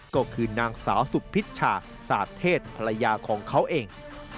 ก็คือนางสาวสุพิชชาศาสตร์เทศภรรยาของเขาเอง